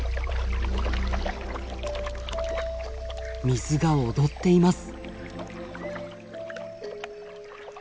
水が踊っています。